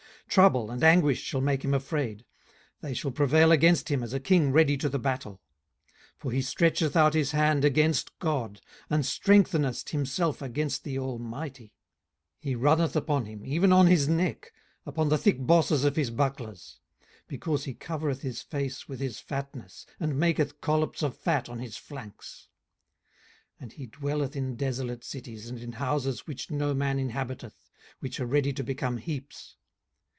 18:015:024 Trouble and anguish shall make him afraid; they shall prevail against him, as a king ready to the battle. 18:015:025 For he stretcheth out his hand against God, and strengtheneth himself against the Almighty. 18:015:026 He runneth upon him, even on his neck, upon the thick bosses of his bucklers: 18:015:027 Because he covereth his face with his fatness, and maketh collops of fat on his flanks. 18:015:028 And he dwelleth in desolate cities, and in houses which no man inhabiteth, which are ready to become heaps.